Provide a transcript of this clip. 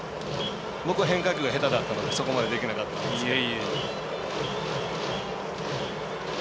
僕は変化球が下手だったのでそこまでできなかったんですけど。